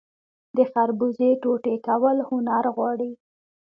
د خربوزې ټوټې کول هنر غواړي.